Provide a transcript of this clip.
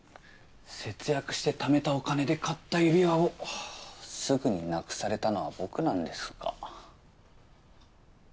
節約してためたお金で買った指輪をすぐになくされたのは僕なんですが。